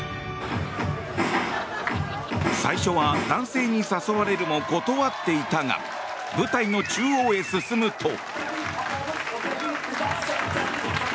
最初は男性に誘われるも断っていたが舞台の中央へ進むと。